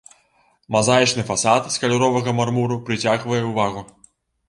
Мазаічны фасад з каляровага мармуру прыцягвае ўвагу.